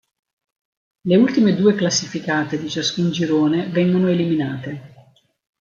Le ultime due classificate di ciascun girone vengono eliminate.